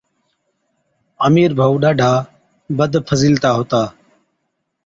امير ڀائُو ڏاڍا بدفضيلَتا ھُتا